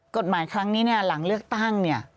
กฎหมายครั้งนี้เนี่ยหลังเลือกตั้งเนี่ย